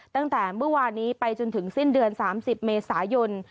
ตั้งแต่เมื่อวานนี้ไปจนถึงสิ้นเดือน๓๐เมษายน